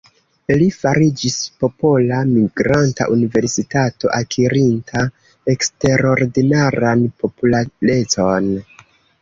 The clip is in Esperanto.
Li fariĝis popola "migranta universitato", akirinta eksterordinaran popularecon.